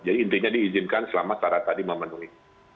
jadi intinya diizinkan selama syarat tadi memenuhi